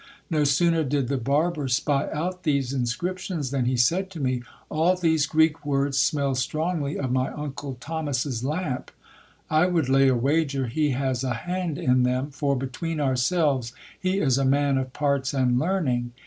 No sooner did the barber spy out these inscriptions, than he said to me — All these Greek words smell strongly of my uncle Thomas's lamp. I would lay a wager he has a hand in them, for between ourselves, he is a man of parts and learning.